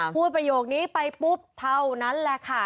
ประโยคนี้ไปปุ๊บเท่านั้นแหละค่ะ